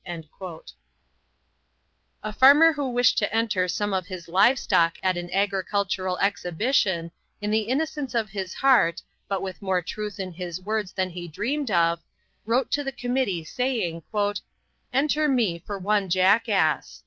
A farmer who wished to enter some of his live stock at an agricultural exhibition, in the innocence of his heart, but with more truth in his words than he dreamed of, wrote to the committee, saying, "Enter me for one jackass."